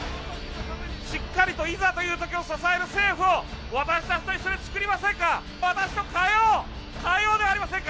しっかりと、いざというときを支える政府を、私たちと一緒に作りませんか。